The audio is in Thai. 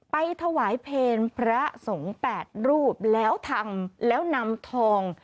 ไปถวายเพลพระสงฆ์๘รูปแล้วทำแล้วนำทอง